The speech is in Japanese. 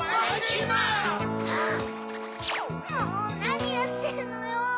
もうなにやってんのよ。